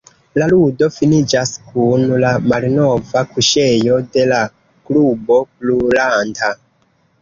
La ludo finiĝas kun la malnova kuŝejo de la klubo brulanta.